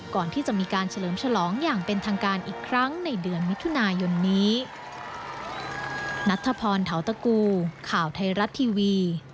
ก่อนที่จะมีการเฉลิมฉลองอย่างเป็นทางการอีกครั้งในเดือนมิถุนายนนี้